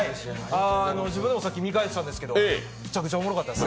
自分でもさっき見返したんですけど、めちゃくちゃおもろかったです。